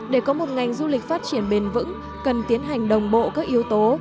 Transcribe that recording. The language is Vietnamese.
để có một ngành du lịch phát triển bền vững cần tiến hành đồng bộ các yếu tố